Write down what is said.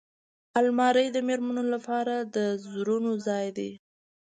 الماري د مېرمنو لپاره د زرونو ځای دی